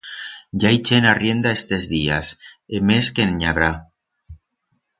I hai chent arrienda estes días, e mes que en i habrá.